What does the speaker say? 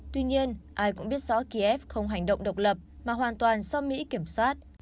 tuy nhiên ai cũng biết rõ kiev không hành động độc lập mà hoàn toàn do mỹ kiểm soát